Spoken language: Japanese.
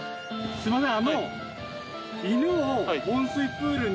すいません。